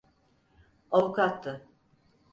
Avukattı.